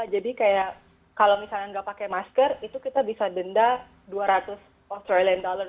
jadi kayak kalau misalnya tidak pakai masker itu kita bisa denda dua ratus australian dollar